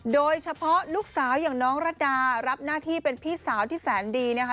โดยเฉพาะลูกสาวอย่างน้องรัดดารับหน้าที่เป็นพี่สาวที่แสนดีนะคะ